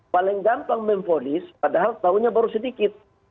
paling gampang memfonis padahal tahunya baru sedikit